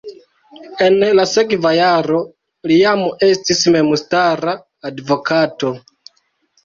En la sekva jaro li jam estis memstara advokato.